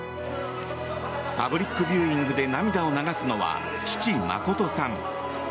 パブリックビューイングで涙を流すのは、父・誠さん。